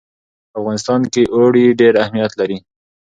په افغانستان کې اوړي ډېر اهمیت لري.